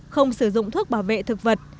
không sử dụng thuốc bảo vệ thực vật